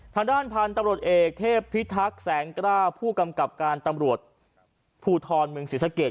ทางด้านพันธุ์ตำรวจเอกเทพพิทักษ์แสงกล้าผู้กำกับการตำรวจภูทรเมืองศรีสะเกด